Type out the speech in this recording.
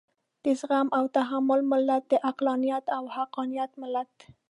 د زغم او تحمل ملت، د عقلانيت او حقانيت ملت.